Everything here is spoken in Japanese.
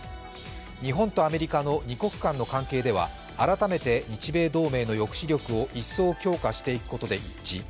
日本とアメリカの二国間の関係では改めて日米同盟の抑止力を一層強化していくことで一致。